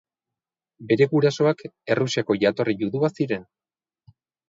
Bere gurasoak Errusiako jatorri judua ziren.